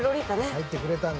入ってくれたんだ。